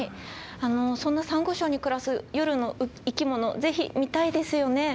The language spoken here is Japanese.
そんなサンゴ礁に暮らす夜の生き物ぜひ見たいですよね。